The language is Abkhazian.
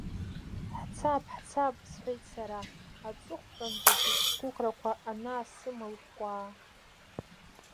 Ҳцап, ҳцап, – сҳәеит сара аҵыхәтәанӡатәи сгәыӷрақәа анаасымылкәкәаа.